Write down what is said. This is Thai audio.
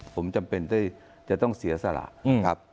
ผมจำเป็นจะต้องเสียสละ